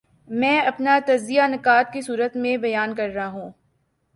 میں اپنا تجزیہ نکات کی صورت میں بیان کر رہا ہوں۔